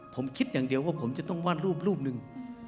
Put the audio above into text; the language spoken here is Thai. ผมคิดอย่างเดียวว่าผมจะต้องวาดรูปรูปหนึ่ง